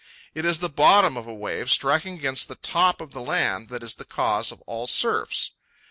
It is the bottom of a wave striking against the top of the land that is the cause of all surfs.